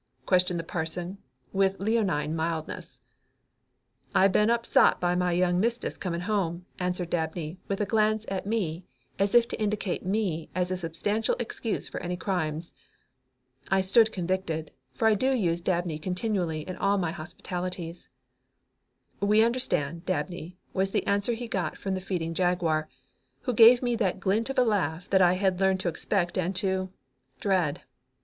questioned the parson, with leonine mildness. "I been upsot by my young mistis coming home," answered Dabney, with a quick glance at me as if to indicate me as a substantial excuse for any crimes. I stood convicted, for I do use Dabney continually in all my hospitalities. "We understand, Dabney," was the answer he got from the feeding Jaguar, who gave me that glint of a laugh that I had learned to expect and to dread.